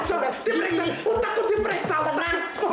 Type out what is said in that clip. otakku diperiksa otak